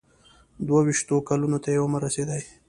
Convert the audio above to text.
دوه ویشتو کلونو ته یې عمر رسېدی.